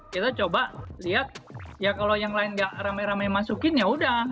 kita coba lihat ya kalau yang lain gak rame rame masukin ya udah